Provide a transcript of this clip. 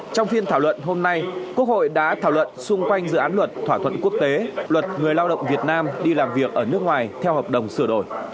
trong phiên thảo luận hôm nay quốc hội đã thảo luận xung quanh dự án luật thỏa thuận quốc tế luật người lao động việt nam đi làm việc ở nước ngoài theo hợp đồng sửa đổi